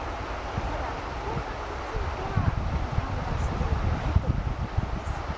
ただ、教団については批判はしていないということなんです。